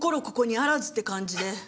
ここにあらずって感じで。